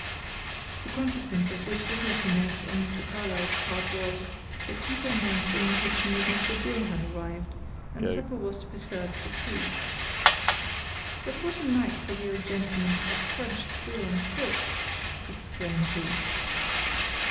The consequence of which little finesse on Mr. Carlyle's part was, that Peter announced in the kitchen that Mr. Dill had arrived, and supper was to be served for two. "But what a night for the old gentleman to have trudged through on foot!" exclaimed he.